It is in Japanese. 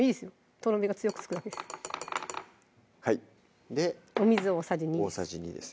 とろみが強くつくだけですお水大さじ２です